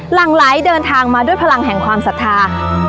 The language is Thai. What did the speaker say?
หลังไหลเดินทางมาด้วยพลังแห่งความศรัทธา